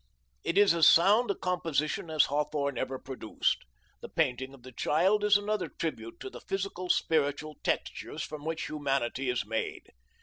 It is as sound a composition as Hawthorne ever produced. The painting of the child is another tribute to the physical spiritual textures from which humanity is made.